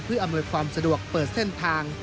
เพื่ออำนวยความสะดวกเปิดเส้นทาง